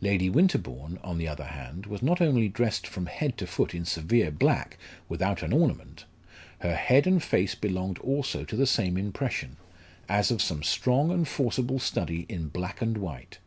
Lady Winterbourne, on the other hand, was not only dressed from head to foot in severe black without an ornament; her head and face belonged also to the same impression, as of some strong and forcible study in black and white.